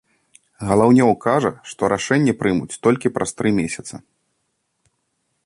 Галаўнёў кажа, што рашэнне прымуць толькі праз тры месяца.